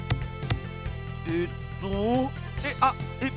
えっとえっあっえっ